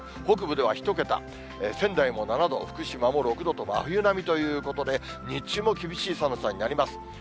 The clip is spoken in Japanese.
北部では１桁、仙台も７度、福島も６度と真冬並みということで、日中も厳しい寒さになります。